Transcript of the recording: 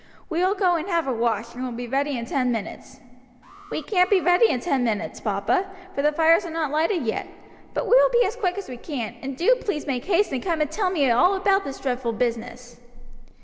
We will go and have a wash, and will be ready in ten minutes." "We can't be ready in ten minutes, papa, for the fires are not lighted yet, but we will be as quick as we can; and do please make haste and come and tell me all about this dreadful business."